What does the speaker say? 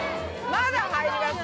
まだ入りますね。